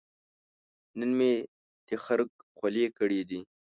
نن مې تخرګ خولې کړې دي